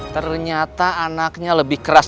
ternyata anaknya lebih keras